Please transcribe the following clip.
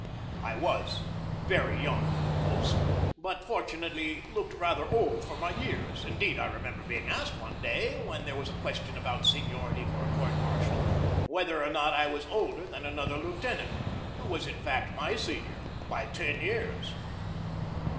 I was very young for the post, but fortunately looked rather old for my years. Indeed, I remember being asked one day, when there was a question about seniority for a court martial, whether or not I was older than another lieutenant, who was in fact my senior by ten years.